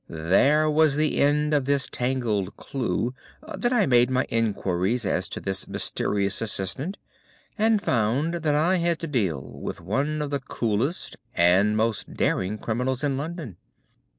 There was the end of this tangled clue. Then I made inquiries as to this mysterious assistant and found that I had to deal with one of the coolest and most daring criminals in London.